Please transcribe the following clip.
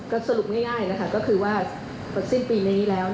ก็สรุปง่ายคือว่าสิ้นปีนี้แล้ว